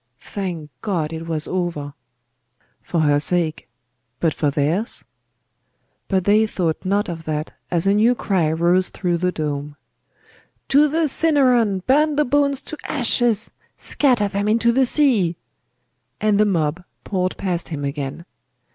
Thank God it was over! For her sake but for theirs? But they thought not of that as a new cry rose through the dome. 'To the Cinaron! Burn the bones to ashes! Scatter them into the sea!' And the mob poured past him again....